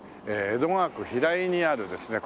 江戸川区平井にあるですね